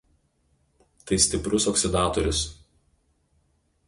Tai stiprus oksidatorius.